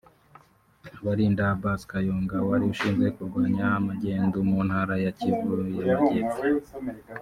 abarinda Abbas Kayonga wari ushinzwe kurwanya magendu mu Ntara ya Kivu y’Amajyepfo